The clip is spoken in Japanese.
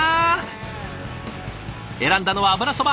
選んだのは油そば。